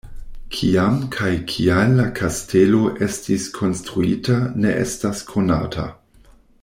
Kiam kaj kial la kastelo estis konstruita ne estas konata.